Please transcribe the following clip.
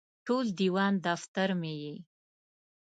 ټول دیوان دفتر مې یې